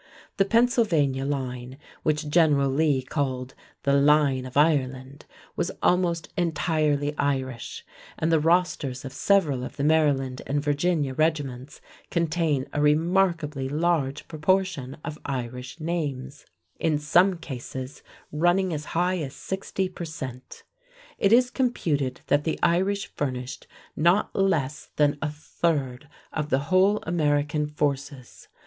The Pennsylvania line, which General Lee called "the line of Ireland," was almost entirely Irish, and the rosters of several of the Maryland and Virginia regiments contain a remarkably large proportion of Irish names, in some cases running as high as 60 per cent. It is computed that the Irish furnished not less than a third of the whole American forces.